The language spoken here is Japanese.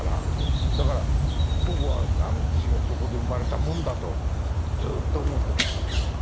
だから僕は父がそこで生まれたもんだとずっと思ってましたよ。